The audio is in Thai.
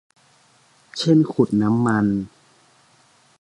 เช่น ขุดน้ำมัน